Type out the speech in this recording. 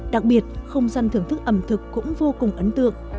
đặc biệt không gian thưởng thức ẩm thực cũng vô cùng ấn tượng